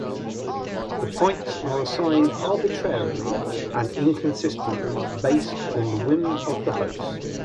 The points are assigned arbitrarily and inconsistently based on the whim of the host.